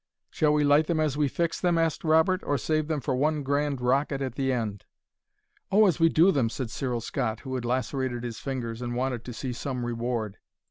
"Shall we light them as we fix them," asked Robert, "or save them for one grand rocket at the end?" "Oh, as we do them," said Cyril Scott, who had lacerated his fingers and wanted to see some reward.